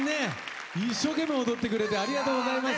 一生懸命踊ってくれてありがとうございます。